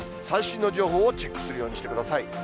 最新の情報をチェックするようにしてください。